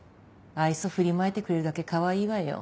愛想振りまいてくれるだけかわいいわよ。